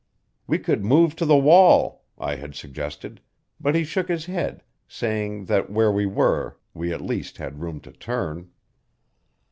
"We could move to the wall," I had suggested; but he shook his head, saying that where we were we at least had room to turn.